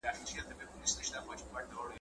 له دې ماتو ټوټو ډک کړي صندوقونه .